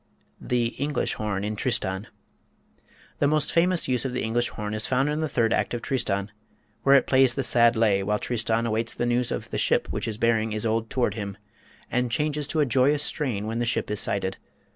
The English Horn in "Tristan." The most famous use of the English horn is found in the third act of "Tristan," where it plays the "sad lay" while Tristan awaits news of the ship which is bearing Isolde toward him, and changes to a joyous strain when the ship is sighted.